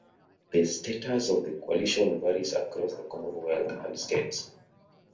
The status of the Coalition varies across the Commonwealth and states.